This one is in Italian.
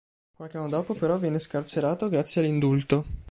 Qualche anno dopo però viene scarcerato, grazie all'indulto.